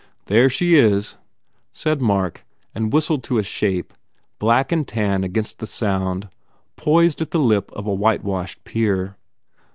"There she is," said Mark and whistled to a shape, black and tan against the sound, poised at the lip of a whitewashed pier.